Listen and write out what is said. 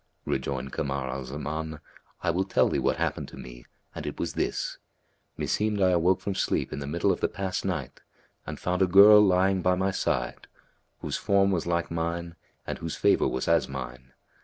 Rejoined Kamar al Zaman, "I will tell thee what happened to me and it was this. Meseemed I awoke from sleep in the middle of the past night and found a girl lying by my side, whose form was like mine and whose favour was as mine.